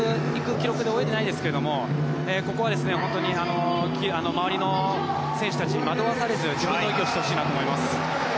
記録で泳いでないですがここは本当に周りの選手たちに惑わされず自分の泳ぎをしてほしいなと思います。